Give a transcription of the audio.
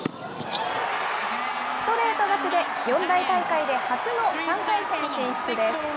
ストレート勝ちで、四大大会で初の３回戦進出です。